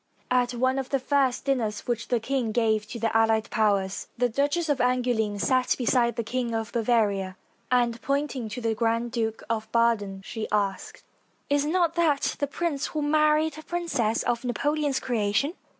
At one of the first dinners which the king gave to the allied powers, the Duchess of Angouleme sat beside the King of Bavaria, and, pointing to the Grand Duke of Baden, she asked: ''Is not that the prince who married a princess of Napoleon's creation?